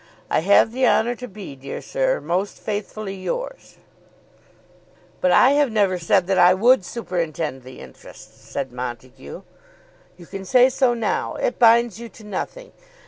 I have the honour to be, Dear Sir, Most faithfully yours, . "But I have never said that I would superintend the interests," said Montague. "You can say so now. It binds you to nothing.